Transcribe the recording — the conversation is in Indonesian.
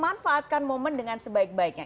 manfaatkan momen dengan sebaik baiknya